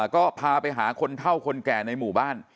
ก็พาไปหาคนเท่าคนแก่ในหมู่บ้าน